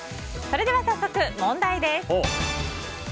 それでは早速問題です。